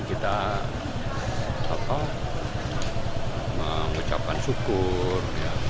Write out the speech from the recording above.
kita mengucapkan syukur